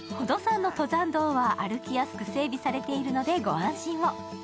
宝登山の登山道は歩きやすく、整備されているのでご安心を。